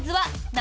何？